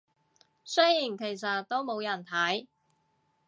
雖然其實都冇人睇